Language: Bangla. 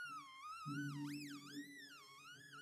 মেয়েটি মারা গেছেন বুঝতে পেরে তাঁরা ভয়ে হাসপাতাল থেকে পালিয়ে যান।